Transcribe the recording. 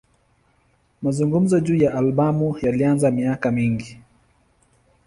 Mazungumzo juu ya albamu yalianza miaka mingi.